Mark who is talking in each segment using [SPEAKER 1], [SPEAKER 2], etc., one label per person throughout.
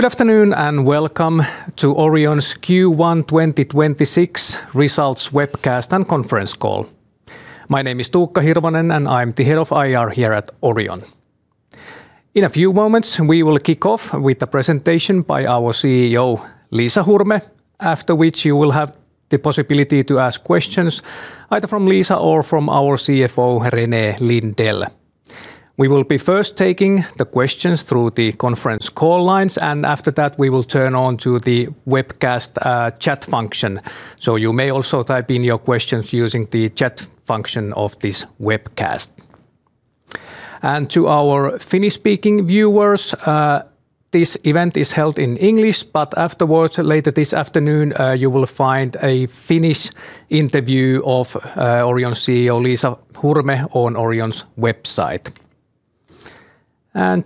[SPEAKER 1] Good afternoon, and welcome to Orion's Q1 2026 results webcast and conference call. My name is Tuukka Hirvonen, and I'm the Head of IR here at Orion. In a few moments, we will kick off with a presentation by our CEO, Liisa Hurme, after which you will have the possibility to ask questions either from Liisa or from our CFO, René Lindell. We will be first taking the questions through the conference call lines, and after that, we will turn on to the webcast chat function. You may also type in your questions using the chat function of this webcast. To our Finnish-speaking viewers, this event is held in English, but afterwards, later this afternoon, you will find a Finnish interview of Orion's CEO, Liisa Hurme, on Orion's website.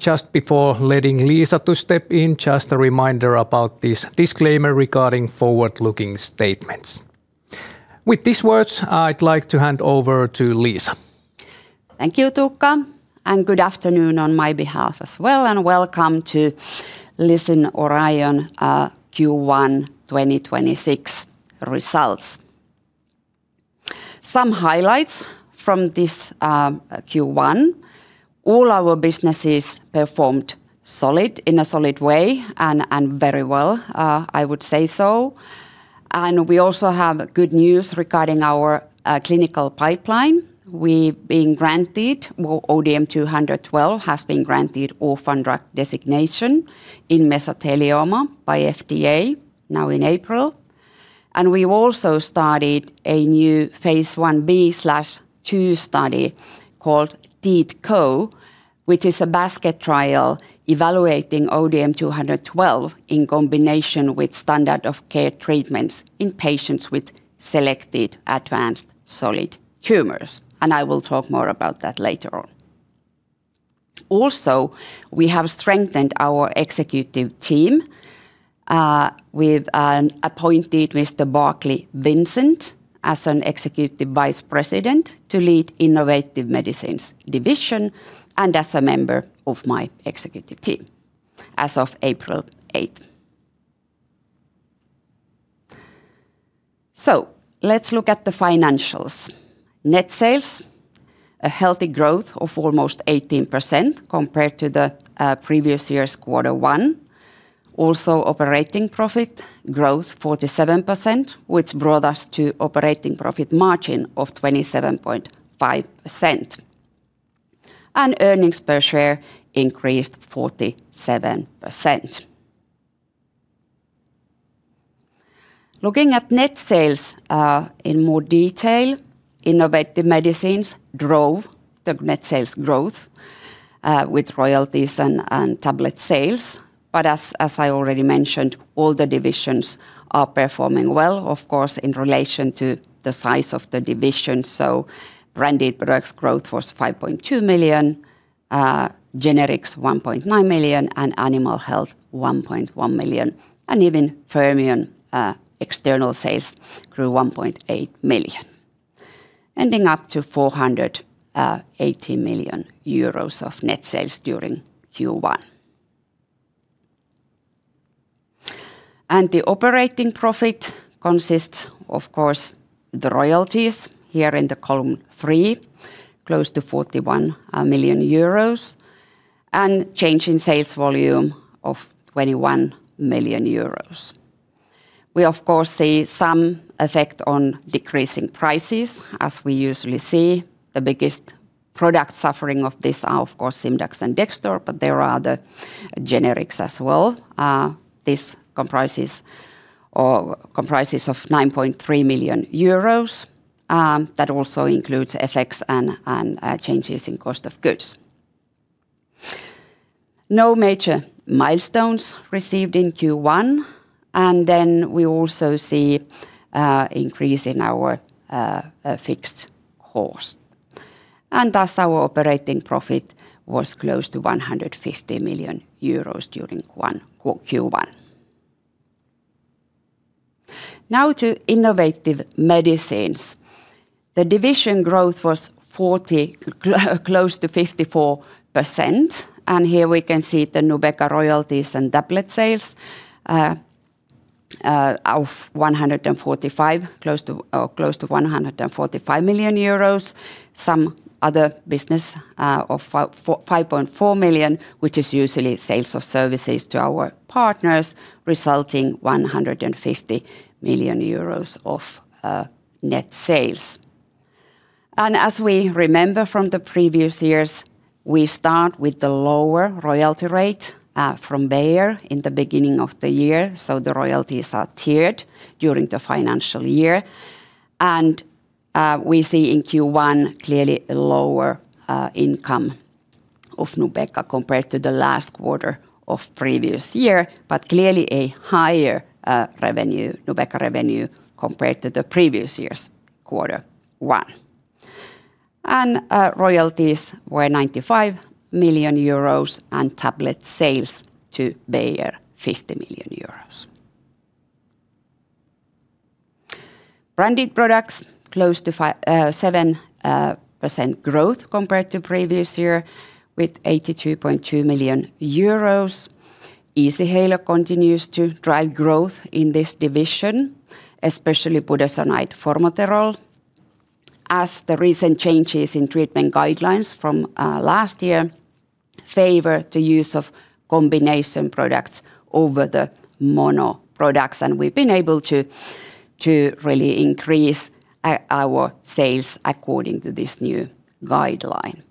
[SPEAKER 1] Just before letting Liisa to step in, just a reminder about this disclaimer regarding forward-looking statements. With these words, I'd like to hand over to Liisa.
[SPEAKER 2] Thank you, Tuukka, and good afternoon on my behalf as well, and welcome to listen Orion Q1 2026 results. Some highlights from this Q1. All our businesses performed in a solid way and very well, I would say so. We also have good news regarding our clinical pipeline. We've been granted, ODM-212 has been granted Orphan Drug Designation in mesothelioma by FDA now in April. We also started a new phase I-B/II study called TEADCO, which is a basket trial evaluating ODM-212 in combination with standard of care treatments in patients with selected advanced solid tumors. I will talk more about that later on. Also, we have strengthened our executive team. We've appointed Mr. Berkeley Vincent as an Executive Vice President to lead Innovative Medicines division and as a member of my executive team as of April 8th. Let's look at the financials. Net sales, a healthy growth of almost 18% compared to the previous year's quarter one. Also operating profit growth 47%, which brought us to operating profit margin of 27.5%. Earnings per share increased 47%. Looking at net sales in more detail, Innovative Medicines drove the net sales growth with royalties and tablet sales. As I already mentioned, all the divisions are performing well, of course, in relation to the size of the division. Branded Products growth was 5.2 million, Generics 1.9 million, and Animal Health 1.1 million. Even Fermion external sales grew 1.8 million, ending up to 480 million euros of net sales during Q1. The operating profit consists, of course, the royalties here in the column three, close to 41 million euros, and change in sales volume of 21 million euros. We of course see some effect on decreasing prices, as we usually see. The biggest product suffering of this are, of course, Simdax and Dexdor, but there are other generics as well. This comprises of 9.3 million euros. That also includes effects and changes in cost of goods. No major milestones received in Q1. We also see increase in our fixed cost. Our operating profit was close to 150 million euros during Q1. Now to Innovative Medicines. The division growth was close to 54%, and here we can see the Nubeqa royalties and tablet sales of close to 145 million euros. Some other business of 5.4 million, which is usually sales of services to our partners, resulting 150 million euros of net sales. As we remember from the previous years, we start with the lower royalty rate from there in the beginning of the year. The royalties are tiered during the financial year. We see in Q1 clearly a lower income of Nubeqa compared to the last quarter of previous year, but clearly a higher Nubeqa revenue compared to the previous year's quarter one. Royalties were 95 million euros and tablet sales to Bayer, 50 million euros. Branded Products close to 7% growth compared to previous year with 82.2 million euros. Easyhaler continues to drive growth in this division, especially budesonide-formoterol, as the recent changes in treatment guidelines from last year favor the use of combination products over the mono products, and we've been able to really increase our sales according to this new guideline.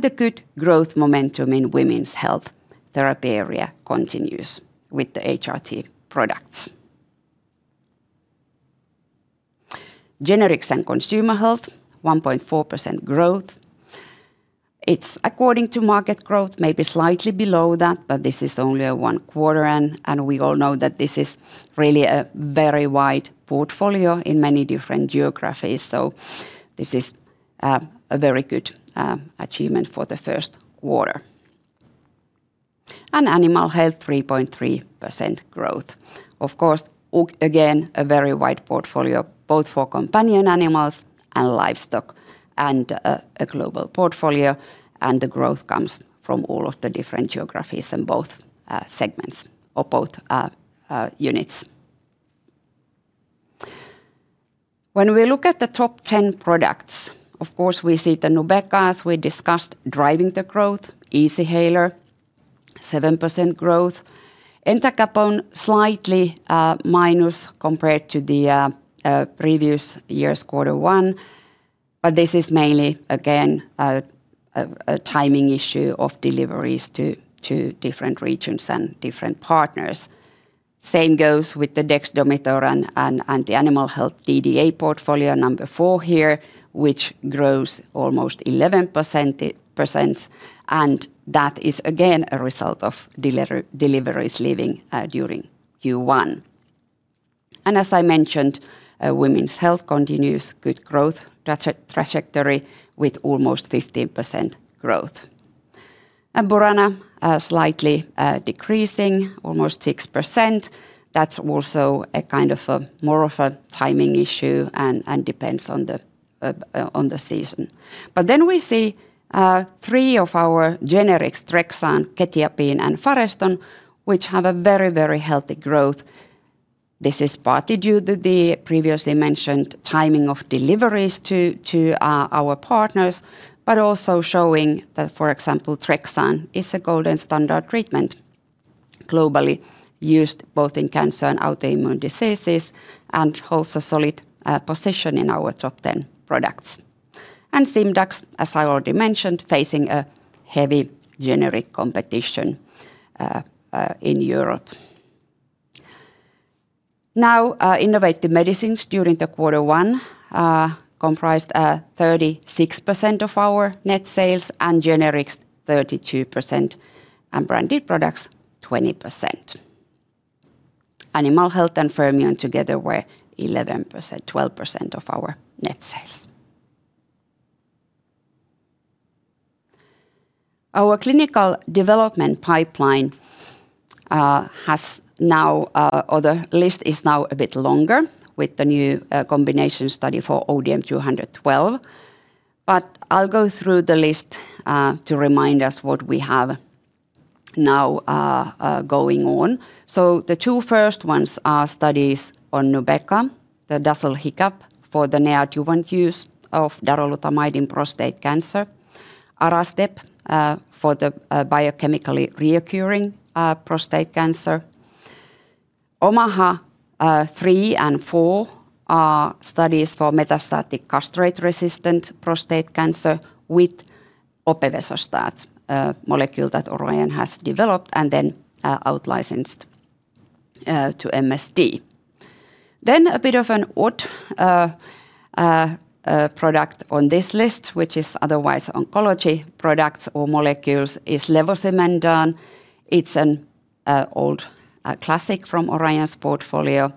[SPEAKER 2] The good growth momentum in women's health therapy area continues with the HRT products. Generics and Consumer Health, 1.4% growth. It's according to market growth, maybe slightly below that, but this is only one quarter, and we all know that this is really a very wide portfolio in many different geographies. This is a very good achievement for the first quarter. Animal Health, 3.3% growth. Of course, again, a very wide portfolio both for companion animals and livestock, and a global portfolio, and the growth comes from all of the different geographies in both segments or both units. When we look at the top 10 products, of course we see the Nubeqa, as we discussed, driving the growth, Easyhaler, 7% growth. Entacapone slightly minus compared to the previous year's quarter one, but this is mainly again a timing issue of deliveries to different regions and different partners. Same goes with the Dexdomitor and the Animal Health DDA portfolio, number 4 here, which grows almost 11%, and that is again a result of deliveries leaving during Q1. As I mentioned, women's health continues good growth trajectory with almost 15% growth. Burana slightly decreasing almost 6%. That's also more of a timing issue and depends on the season. We see three of our generics, Trexan, quetiapine, and Fareston, which have a very healthy growth. This is partly due to the previously mentioned timing of deliveries to our partners, but also showing that, for example, Trexan is a gold standard treatment globally used both in cancer and autoimmune diseases and holds a solid position in our top 10 products. Simdax, as I already mentioned, facing a heavy generic competition in Europe. Now, Innovative Medicines during the quarter one comprised 36% of our net sales, and Generics 32%, and Branded Products 20%. Animal Health and Fermion together were 12% of our net sales. Our clinical development pipeline list is now a bit longer with the new combination study for ODM-212, but I'll go through the list to remind us what we have now going on. The two first ones are studies on Nubeqa, the DASL-HiCaP for the neoadjuvant use of darolutamide in prostate cancer, ARASTEP for the biochemical recurrence of prostate cancer. OMAHA 3 and 4 are studies for metastatic castration-resistant prostate cancer with opevesostat molecule that Orion has developed and then out-licensed to MSD. Then a bit of an odd product on this list, which is otherwise oncology products or molecules, is levosimendan. It's an old classic from Orion's portfolio,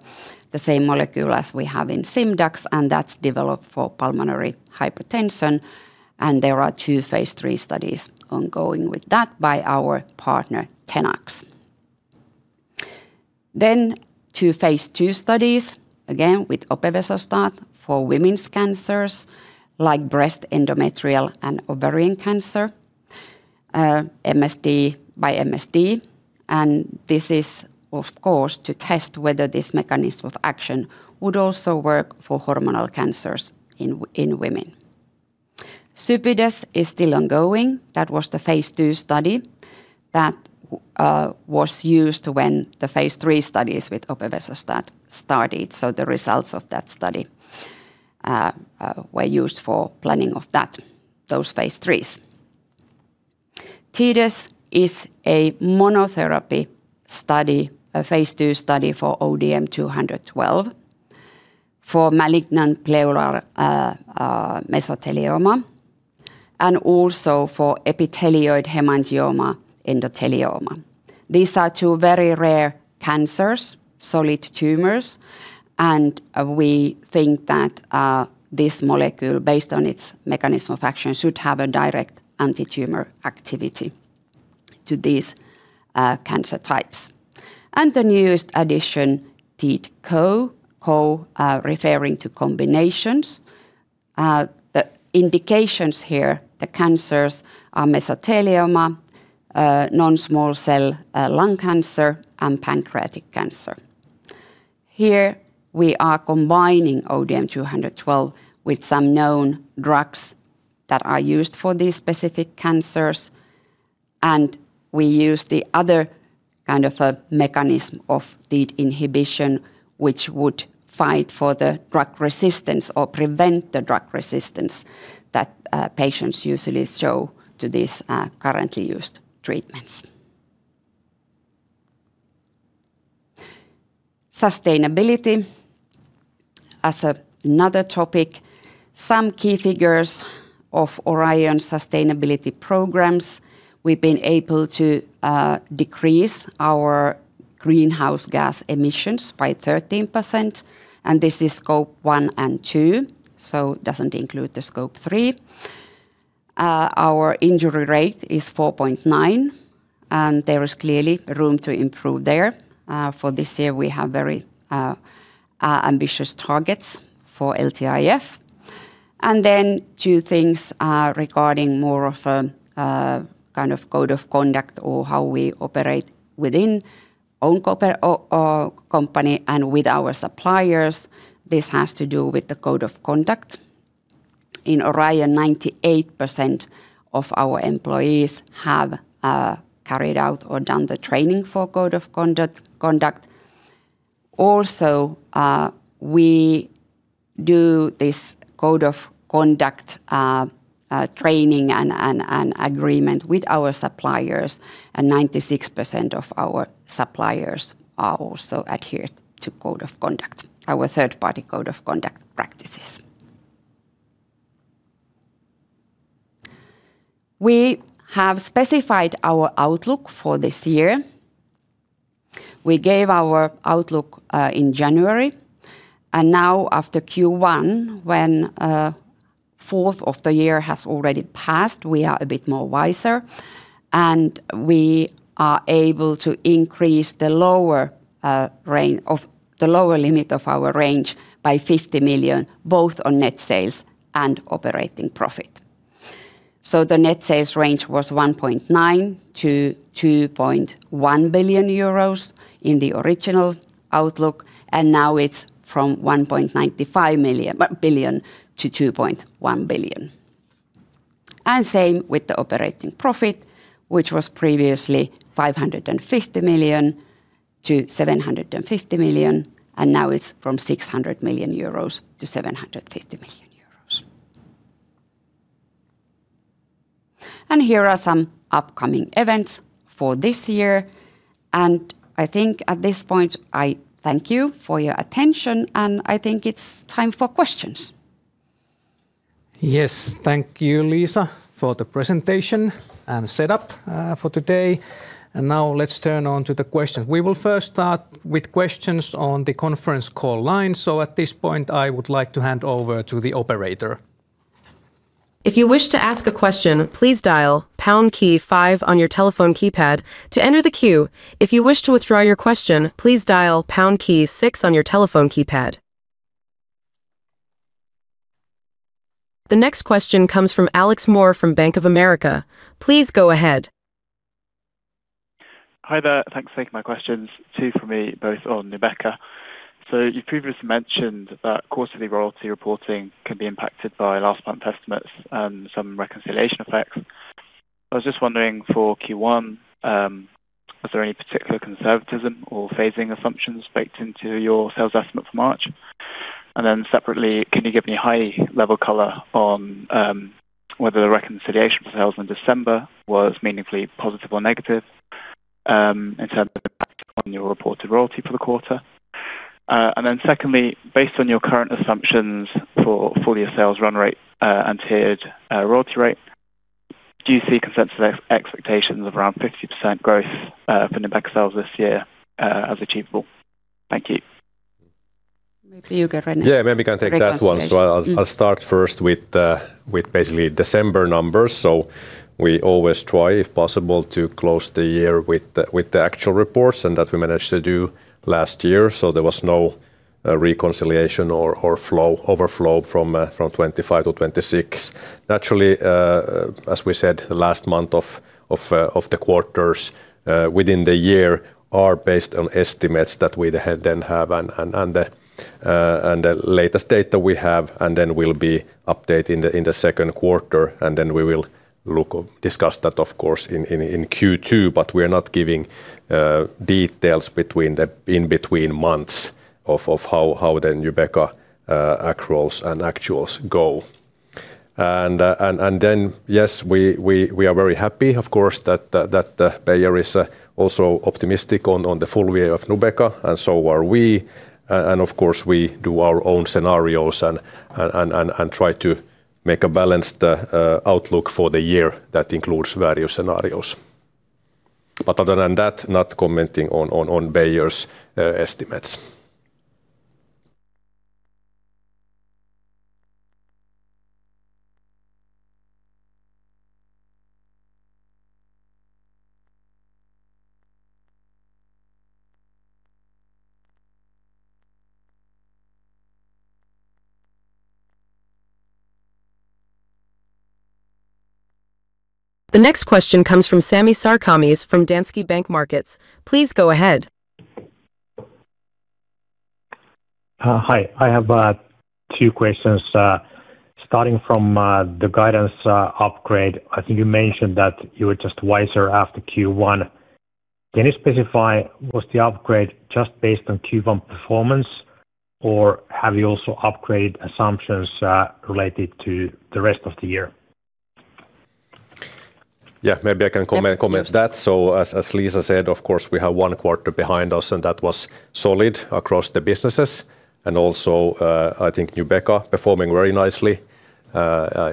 [SPEAKER 2] the same molecule as we have in Simdax, and that's developed for pulmonary hypertension. There are two phase III studies ongoing with that by our partner Tenax. Two phase II studies, again with opevesostat for women's cancers like breast, endometrial, and ovarian cancer by MSD. This is, of course, to test whether this mechanism of action would also work for hormonal cancers in women. SUPIDAS is still ongoing. That was the phase II study that was used when the phase III studies with opevesostat started. The results of that study were used for planning of those phase IIIs. TIDAS is a monotherapy study, a phase II study for ODM-212 for malignant pleural mesothelioma, and also for epithelioid hemangioendothelioma. These are two very rare cancers, solid tumors, and we think that this molecule, based on its mechanism of action, should have a direct anti-tumor activity to these cancer types. The newest addition, TEADCO, CO referring to combinations. The indications here, the cancers are mesothelioma, non-small cell lung cancer, and pancreatic cancer. Here we are combining ODM-212 with some known drugs that are used for these specific cancers, and we use the other kind of mechanism of the inhibition, which would fight for the drug resistance or prevent the drug resistance that patients usually show to these currently used treatments. Sustainability as another topic. Some key figures of Orion sustainability programs. We've been able to decrease our greenhouse gas emissions by 13%, and this is Scope 1 and 2, so doesn't include the Scope 3. Our injury rate is 4.9, and there is clearly room to improve there. For this year, we have very ambitious targets for LTIF. Two things regarding more of a code of conduct or how we operate within own company and with our suppliers. This has to do with the code of conduct. In Orion, 98% of our employees have carried out or done the training for code of conduct. Also, we do this code of conduct training and agreement with our suppliers, and 96% of our suppliers also adhere to code of conduct, our third-party code of conduct practices. We have specified our outlook for this year. We gave our outlook in January, and now after Q1, when a fourth of the year has already passed, we are a bit more wiser, and we are able to increase the lower limit of our range by 50 million, both on net sales and operating profit. The net sales range was 1.9 billion-2.1 billion euros in the original outlook, and now it's from 1.95 billion-2.1 billion. Same with the operating profit, which was previously 550 million-750 million, and now it's from 600 million-750 million euros. Here are some upcoming events for this year. I think at this point, I thank you for your attention, and I think it's time for questions.
[SPEAKER 1] Yes. Thank you, Liisa, for the presentation and setup for today. Now let's turn to the questions. We will first start with questions on the conference call line. At this point, I would like to hand over to the operator.
[SPEAKER 3] If you wish to ask a question, please dial pound key five on your telephone keypad. To enter the queue, if you wish to withdraw the question, please dial pound key six on your telephone keypad. The next question comes from Alex Moore from Bank of America. Please go ahead.
[SPEAKER 4] Hi there. Thanks for taking my questions. Two for me, both on Nubeqa. You've previously mentioned that quarterly royalty reporting can be impacted by last month estimates and some reconciliation effects. I was just wondering for Q1, was there any particular conservatism or phasing assumptions baked into your sales estimate for March? Then separately, can you give me high level color on whether the reconciliation for sales in December was meaningfully positive or negative in terms of impact on your reported royalty for the quarter? Secondly, based on your current assumptions for full year sales run rate and tiered royalty rate, do you see consensus expectations of around 50% growth for Nubeqa sales this year as achievable? Thank you.
[SPEAKER 2] Maybe you go, René.
[SPEAKER 5] Yeah, maybe I can take that one as well. I'll start first with basically December numbers. We always try, if possible, to close the year with the actual reports, and that we managed to do last year, so there was no reconciliation or overflow from 2025 to 2026. Naturally, as we said, the last month of the quarters within the year are based on estimates that we then have and the latest data we have, and then we'll be updating in the second quarter, and then we will discuss that, of course, in Q2, but we are not giving details in between months of how the Nubeqa accruals and actuals go. Yes, we are very happy, of course, that Bayer is also optimistic on the full year of Nubeqa, and so are we. Of course, we do our own scenarios and try to make a balanced outlook for the year that includes various scenarios. Other than that, not commenting on Bayer's estimates.
[SPEAKER 3] The next question comes from Sami Sarkamies from Danske Bank Markets. Please go ahead.
[SPEAKER 6] Hi. I have two questions. Starting from the guidance upgrade, I think you mentioned that you were just wiser after Q1. Can you specify, was the upgrade just based on Q1 performance, or have you also upgraded assumptions related to the rest of the year?
[SPEAKER 5] Yeah, maybe I can comment to that. As Liisa said, of course, we have one quarter behind us, and that was solid across the businesses and also, I think Nubeqa performing very nicely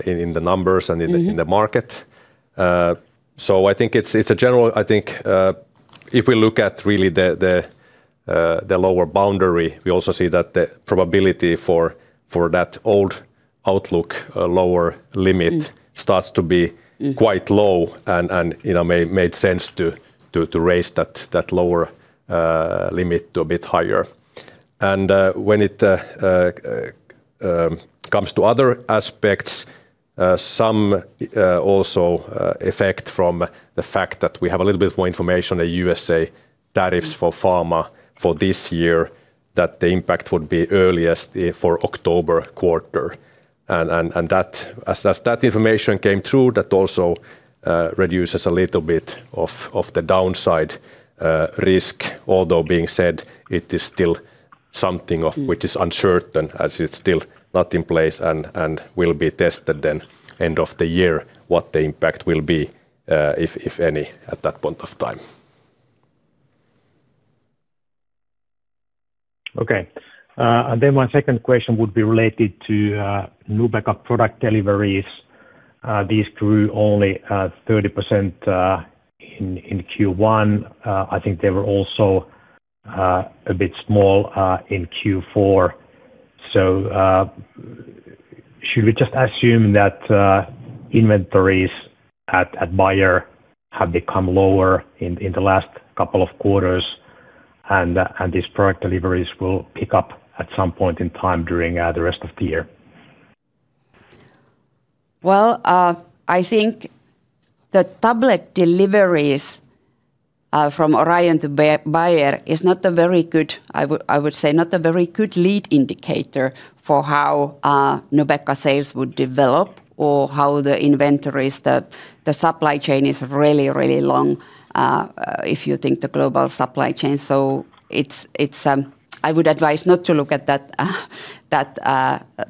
[SPEAKER 5] in the numbers and in the market. I think if we look at really the lower boundary, we also see that the probability for that old outlook lower limit starts to be quite low and made sense to raise that lower limit to a bit higher. When it comes to other aspects, some also affect from the fact that we have a little bit more information on USA tariffs for pharma for this year, that the impact would be earliest for October quarter. As that information came through, that also reduces a little bit of the downside risk, although being said, it is still something of which is uncertain as it's still not in place and will be tested at the end of the year what the impact will be, if any, at that point of time.
[SPEAKER 6] Okay. My second question would be related to Nubeqa product deliveries. These grew only 30% in Q1. I think they were also a bit small in Q4. Should we just assume that inventories at Bayer have become lower in the last couple of quarters and these product deliveries will pick up at some point in time during the rest of the year?
[SPEAKER 2] Well, I think the tablet deliveries from Orion to Bayer is, I would say, not a very good lead indicator for how Nubeqa sales would develop or how the inventories. The supply chain is really long, if you think the global supply chain. I would advise not to look at that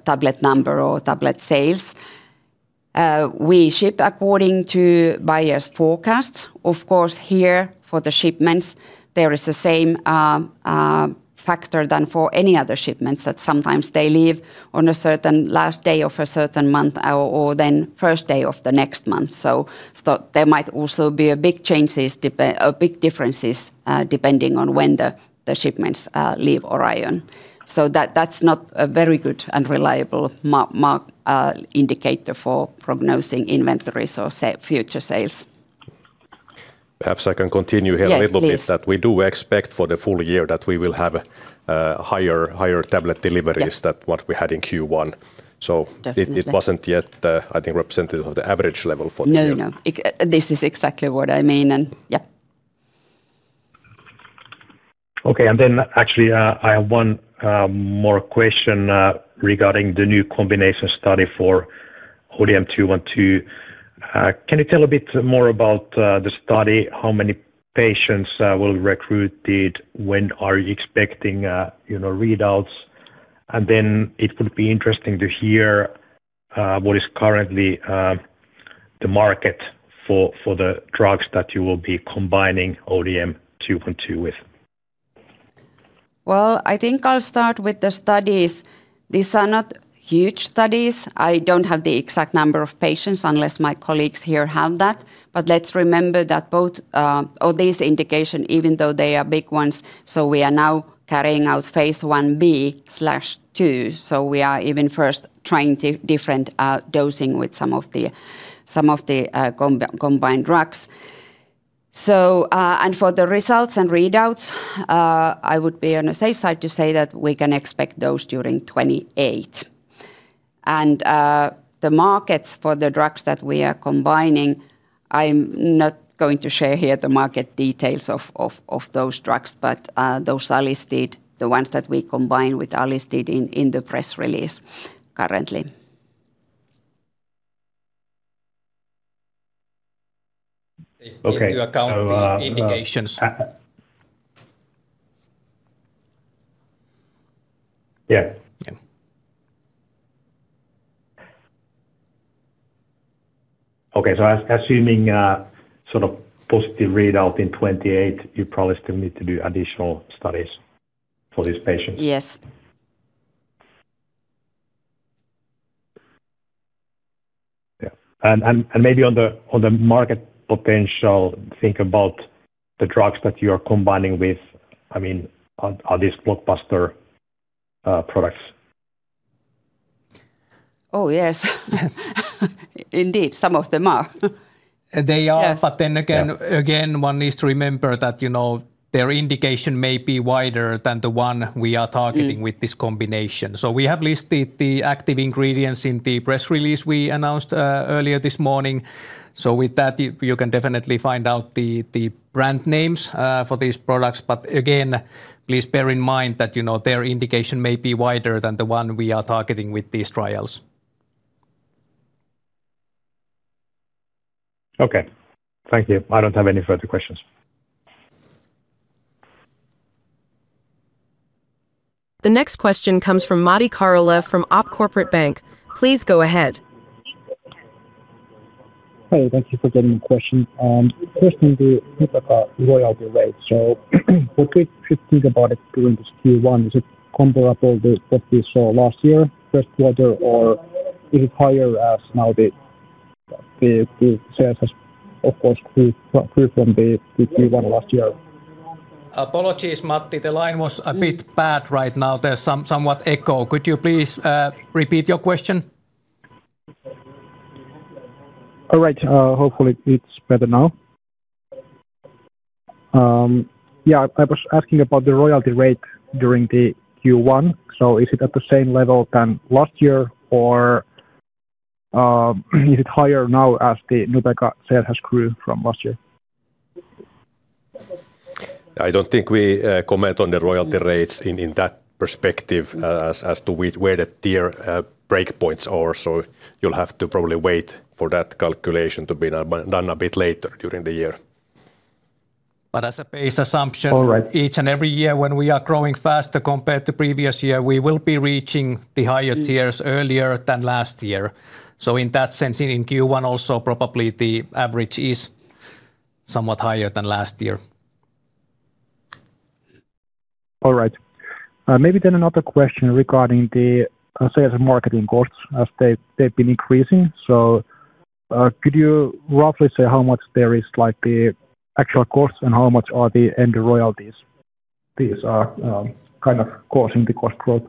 [SPEAKER 2] tablet number or tablet sales. We ship according to Bayer's forecasts. Of course, here for the shipments, there is the same factor than for any other shipments, that sometimes they leave on a certain last day of a certain month or then first day of the next month. There might also be big differences depending on when the shipments leave Orion. That's not a very good and reliable indicator for prognosing inventories or future sales.
[SPEAKER 5] Perhaps I can continue here a little bit.
[SPEAKER 2] Yes, please.
[SPEAKER 5] That we do expect for the full year that we will have higher tablet deliveries than what we had in Q1.
[SPEAKER 2] Definitely.
[SPEAKER 5] It wasn't yet, I think, representative of the average level for the year.
[SPEAKER 2] No. This is exactly what I mean, and yeah.
[SPEAKER 6] Okay, actually, I have one more question regarding the new combination study for ODM-212. Can you tell a bit more about the study? How many patients were recruited? When are you expecting readouts? It would be interesting to hear what is currently the market for the drugs that you will be combining ODM-212 with?
[SPEAKER 2] Well, I think I'll start with the studies. These are not huge studies. I don't have the exact number of patients unless my colleagues here have that. Let's remember that both of these indications, even though they are big ones, so we are now carrying out phase I-B/II, so we are even first trying different dosing with some of the combined drugs. For the results and readouts, I would be on the safe side to say that we can expect those during 2028. The markets for the drugs that we are combining, I'm not going to share here the market details of those drugs, but those are listed, the ones that we combined with are listed in the press release currently.
[SPEAKER 6] Okay.
[SPEAKER 1] Take into account the indications.
[SPEAKER 6] Yeah. Okay. Assuming sort of positive readout in 2028, you probably still need to do additional studies for these patients?
[SPEAKER 2] Yes.
[SPEAKER 6] Yeah. Maybe on the market potential, think about, the drugs that you are combining with are these blockbuster products?
[SPEAKER 2] Oh, yes. Indeed, some of them are.
[SPEAKER 1] They are.
[SPEAKER 2] Yes.
[SPEAKER 1] One needs to remember that their indication may be wider than the one we are targeting with this combination. We have listed the active ingredients in the press release we announced earlier this morning. With that, you can definitely find out the brand names for these products. Again, please bear in mind that their indication may be wider than the one we are targeting with these trials.
[SPEAKER 6] Okay. Thank you. I don't have any further questions.
[SPEAKER 3] The next question comes from Matti Kaurola from OP Corporate Bank. Please go ahead.
[SPEAKER 7] Hey, thank you for getting the question. First on the Nubeqa royalty rate. What we should think about it during this Q1, is it comparable with what we saw last year first quarter, or is it higher as now the sales has, of course, grew from the Q1 last year?
[SPEAKER 1] Apologies, Matti, the line was a bit bad right now. There's somewhat echo. Could you please repeat your question?
[SPEAKER 7] All right. Hopefully, it's better now. I was asking about the royalty rate during the Q1, so is it at the same level than last year, or is it higher now as the Nubeqa sale has grown from last year?
[SPEAKER 5] I don't think we comment on the royalty rates in that perspective as to where the tier break points are. You'll have to probably wait for that calculation to be done a bit later during the year.
[SPEAKER 1] As a base assumption.
[SPEAKER 7] All right.
[SPEAKER 1] Each and every year when we are growing faster compared to previous year, we will be reaching the higher tiers earlier than last year. In that sense, in Q1 also, probably the average is somewhat higher than last year.
[SPEAKER 7] All right. Maybe then another question regarding the sales and marketing costs as they've been increasing. Could you roughly say how much there is the actual costs and how much are the Endo royalties? These are causing the cost growth.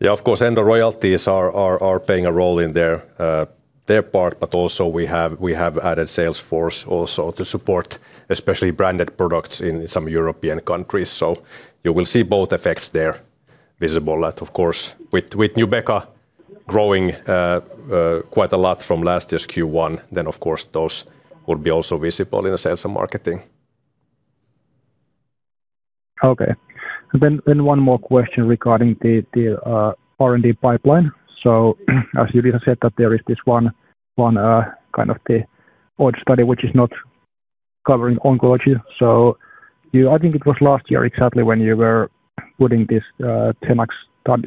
[SPEAKER 5] Yeah, of course, Endo royalties are playing a role in their part, but also we have added sales force also to support especially Branded Products in some European countries. You will see both effects there visible. Of course, with Nubeqa growing quite a lot from last year's Q1, then, of course, those would be also visible in the sales and marketing.
[SPEAKER 7] Okay. One more question regarding the R&D pipeline. As you said that there is this one kind of the odd study which is not covering oncology. I think it was last year exactly when you were putting this Tenax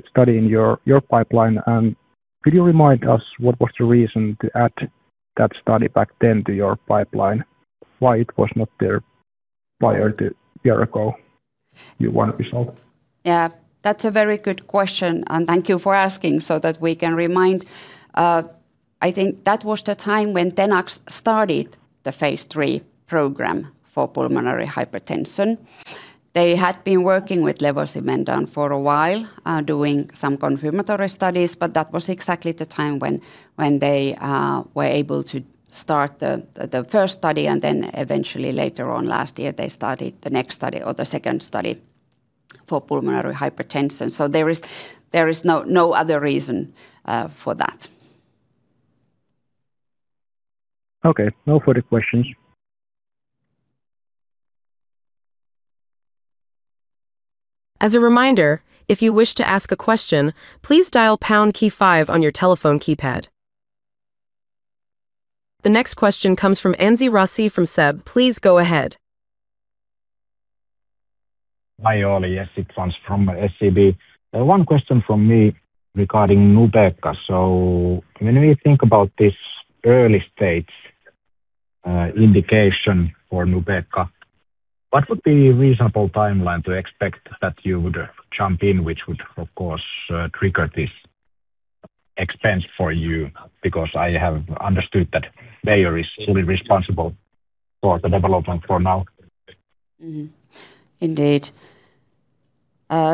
[SPEAKER 7] study in your pipeline, and could you remind us what was the reason to add that study back then to your pipeline? Why it was not there prior to a year ago? You want to be sold.
[SPEAKER 2] Yeah, that's a very good question, and thank you for asking so that we can remind. I think that was the time when Tenax started the phase III program for pulmonary hypertension. They had been working with levosimendan for a while, doing some confirmatory studies, but that was exactly the time when they were able to start the first study, and then eventually later on last year, they started the next study or the second study for pulmonary hypertension. There is no other reason for that.
[SPEAKER 7] Okay, no further questions.
[SPEAKER 3] As a reminder, if you wish to ask a question, please dial pound key five on your telephone keypad. The next question comes from Anssi Raussi from SEB. Please go ahead.
[SPEAKER 8] Hi, Olli. Yes, it comes from SEB. One question from me regarding Nubeqa. When we think about this early stage indication for Nubeqa, what would be reasonable timeline to expect that you would jump in, which would, of course, trigger this expense for you? Because I have understood that Bayer is fully responsible for the development for now.
[SPEAKER 2] Indeed.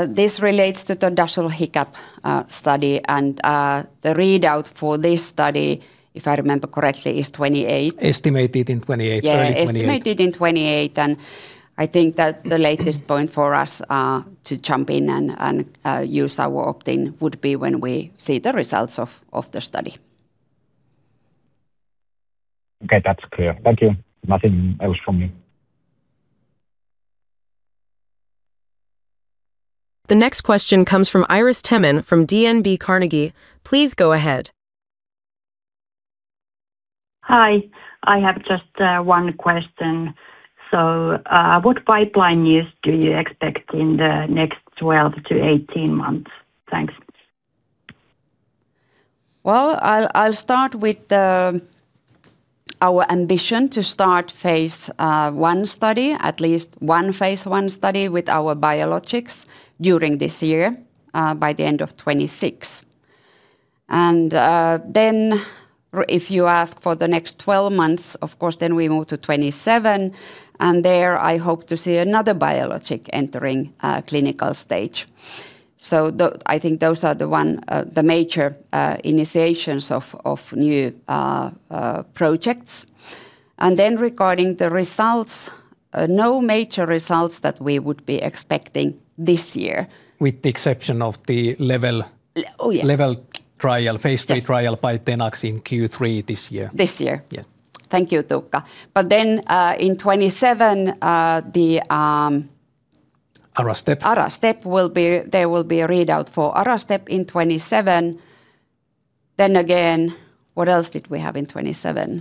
[SPEAKER 2] This relates to the DASL-HiCaP study, and the readout for this study, if I remember correctly, is 2028.
[SPEAKER 1] Estimated in 2028. Early 2028.
[SPEAKER 2] Yeah, estimated in 2028, and I think that the latest point for us to jump in and use our opt-in would be when we see the results of the study.
[SPEAKER 8] Okay. That's clear. Thank you. Nothing else from me.
[SPEAKER 3] The next question comes from Iiris Theman from DNB Carnegie. Please go ahead.
[SPEAKER 9] Hi. I have just one question. What pipeline news do you expect in the next 12 to 18 months? Thanks.
[SPEAKER 2] Well, I'll start with our ambition to start phase I study, at least one phase I study with our biologics during this year, by the end of 2026. Then if you ask for the next 12 months, of course, then we move to 2027, and there I hope to see another biologic entering clinical stage. I think those are the major initiations of new projects. Then regarding the results, no major results that we would be expecting this year.
[SPEAKER 1] With the exception of the level,
[SPEAKER 2] Oh, yeah.
[SPEAKER 1] level trial, phase III
[SPEAKER 2] Yes....
[SPEAKER 1] trial by Tenax in Q3 this year.
[SPEAKER 2] This year.
[SPEAKER 1] Yeah.
[SPEAKER 2] Thank you, Tuukka. In 2027, the,
[SPEAKER 1] ARASTEP.
[SPEAKER 2] ARASTEP, there will be a readout for ARASTEP in 2027. Again, what else did we have in 2027?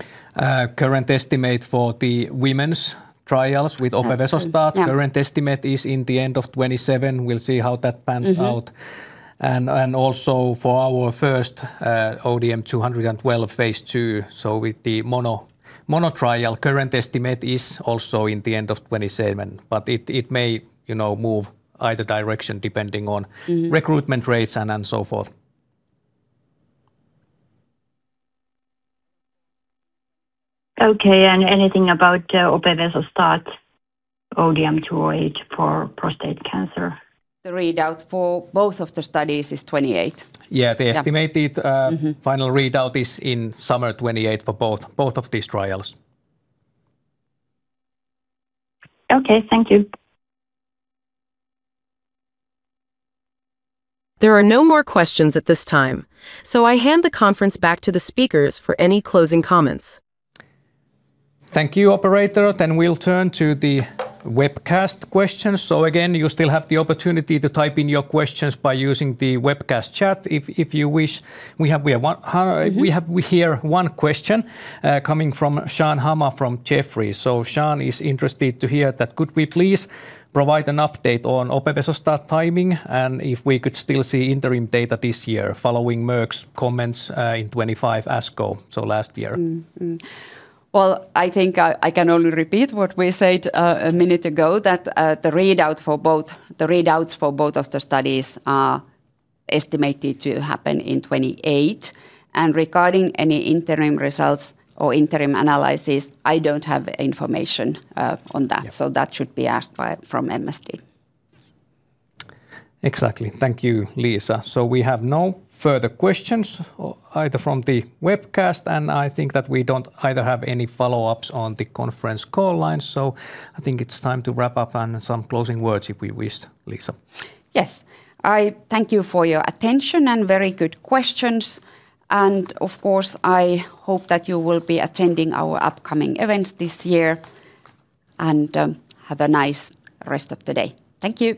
[SPEAKER 1] Current estimate for the women's trials with opevesostat.
[SPEAKER 2] That's right. Yeah.
[SPEAKER 1] Current estimate is in the end of 2027. We'll see how that pans out.
[SPEAKER 2] Mm-hmm.
[SPEAKER 1] Also for our first ODM-212 phase II, so with the mono trial, current estimate is also in the end of 2027, but it may move either direction depending on recruitment rates and so forth.
[SPEAKER 9] Okay, anything about opevesostat ODM-208 for prostate cancer?
[SPEAKER 2] The readout for both of the studies is 2028.
[SPEAKER 1] Yeah. The estimated,
[SPEAKER 2] Mm-hmm.
[SPEAKER 1] Final readout is in summer 2028 for both of these trials.
[SPEAKER 9] Okay. Thank you.
[SPEAKER 3] There are no more questions at this time, so I hand the conference back to the speakers for any closing comments.
[SPEAKER 1] Thank you, operator. We'll turn to the webcast questions. Again, you still have the opportunity to type in your questions by using the webcast chat if you wish. We have here one question coming from Shan Hama from Jefferies. Shan is interested to hear that could we please provide an update on opevesostat timing, and if we could still see interim data this year following Merck's comments in 2025 ASCO, so last year.
[SPEAKER 2] Mm-hmm. Well, I think I can only repeat what we said a minute ago, that the readouts for both of the studies are estimated to happen in 2028. Regarding any interim results or interim analysis, I don't have information on that. That should be asked from MSD.
[SPEAKER 1] Exactly. Thank you, Liisa. We have no further questions either from the webcast, and I think that we don't either have any follow-ups on the conference call line. I think it's time to wrap up on some closing words if we wish, Liisa.
[SPEAKER 2] Yes. I thank you for your attention and very good questions. Of course, I hope that you will be attending our upcoming events this year, and have a nice rest of the day. Thank you.